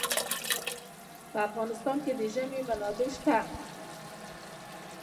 په افغانستان کې د ژمی منابع شته.